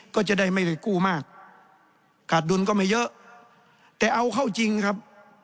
ก็จะได้ไม่ได้กู้มากขาดดุลก็ไม่เยอะแต่เอาเข้าจริงครับ